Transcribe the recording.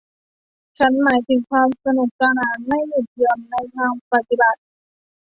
ฉันหมายถึงความสนุกสนานไม่หยุดหย่อนในทางปฏิบัติ